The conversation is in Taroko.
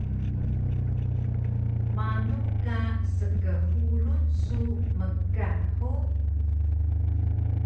Manu ka skxulun su mkan hug?